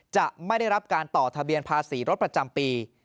จะไม่ได้รับการต่อทะเบียนภาษีรถประจำปี